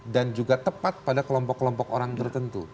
dan juga tepat pada kelompok kelompok orang tertentu